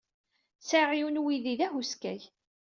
Sɛiɣ yiwen n uydi d ahuskay.